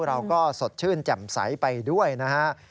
เราก็สดชื่นแจ่มใสไปด้วยนะฮะ